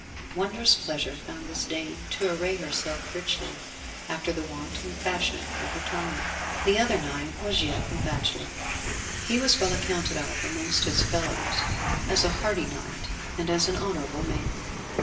Wondrous pleasure found this dame to array herself richly, after the wont and fashion of her time. The other knight was yet a bachelor. He was well accounted of amongst his fellows as a hardy knight and as an honourable man.